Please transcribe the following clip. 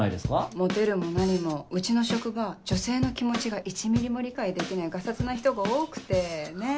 モテるも何もうちの職場女性の気持ちが１ミリも理解できないガサツな人が多くてねっ。